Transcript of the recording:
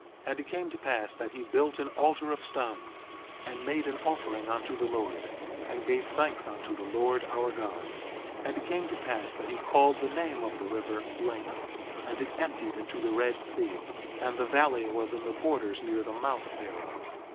2:7 And it came to pass that he built an altar of stones, and made an offering unto the Lord, and gave thanks unto the Lord our God. 2:8 And it came to pass that he called the name of the river, Laman, and it emptied into the Red Sea; and the valley was in the borders near the mouth thereof.